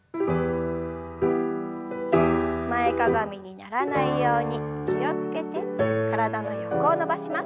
前かがみにならないように気を付けて体の横を伸ばします。